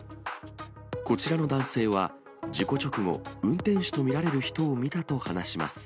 こちらの男性は、事故直後、運転手と見られる人を見たと話します。